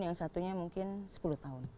yang satunya mungkin sepuluh tahun